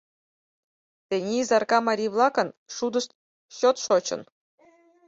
Тений Изарка марий-влакын шудышт чот шочын.